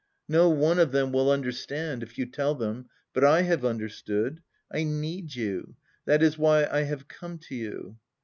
"No one of them will understand, if you tell them, but I have understood. I need you, that is why I have come to you."